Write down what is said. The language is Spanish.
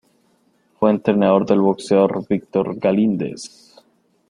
Fue entrenador del boxeador Víctor Galíndez.